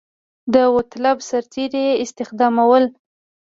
داوطلب سرتېري یې استخدامول.